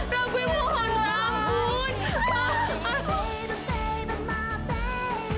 rah gue mohon rah